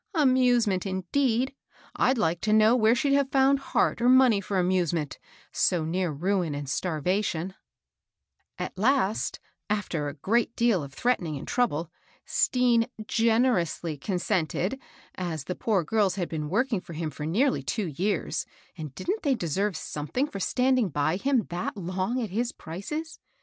Anmsement indeed I I'd like to know where she'd have found heart or mon* ey for amusement, so near ruin and starvation I At last, after a great deal of threatening and trouUe, Stean generously consented, as the poor girls had been working for him for nearly two years, — and didn't &ey deserve something for standing by him that long at his prices